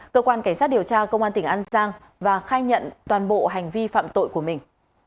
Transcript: cơ quan cảnh sát điều tra công an tỉnh an giang và khai nhận toàn bộ hành vi phạm tội của mình